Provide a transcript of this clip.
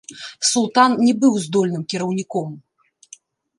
Султан не быў здольным кіраўніком.